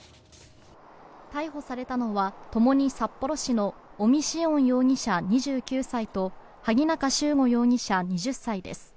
逮捕されたのはともに札幌市の小見紫苑容疑者、２９歳と萩中悠伍容疑者、２０歳です。